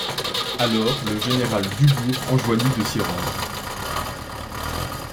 Alors le général Dubourg enjoignit de s'y rendre.